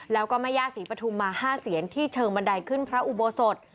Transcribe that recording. แล้วก็แม่ย่าศรีปฐุมมา๕เสียนที่เชิงบันไดขึ้นพระอุโบสถ